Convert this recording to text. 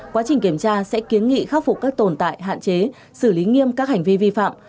quá trình kiểm tra sẽ kiến nghị khắc phục các tồn tại hạn chế xử lý nghiêm các hành vi vi phạm